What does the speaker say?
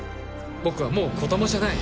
僕はもう子供じゃない。